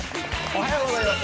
おはようございます